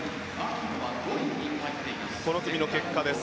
この組の結果です。